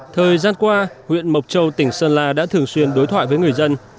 thời gian qua huyện mộc châu tỉnh sơn la đã thường xuyên đối thoại với người dân